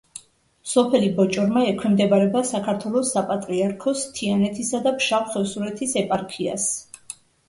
სოფელი ბოჭორმა ექვემდებარება საქართველოს საპატრიარქოს თიანეთისა და ფშავ-ხევსურეთის ეპარქიას.